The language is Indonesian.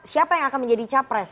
siapa yang akan menjadi capres